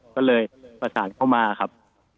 ก็เลยประสานเข้ามาครับ